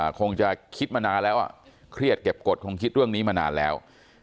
คงจะคิดมานานแล้วเครียดเก็บกฎคงคิดเรื่องนี้มานานแล้ว